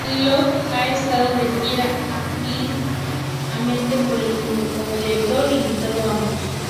Locke ha estado de gira ampliamente por el mundo, como director y invitado ambos.